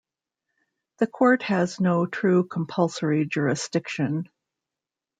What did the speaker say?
The court has no true compulsory jurisdiction.